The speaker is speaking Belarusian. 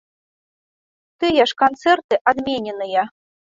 Тыя ж канцэрты адмененыя.